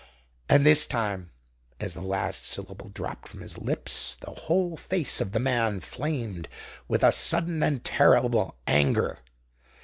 And this time, as the last syllable dropped from his lips, the whole face of the man flamed with a sudden and terrible anger.